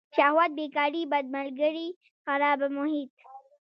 شهوت بیکاري بد ملگري خرابه محیط.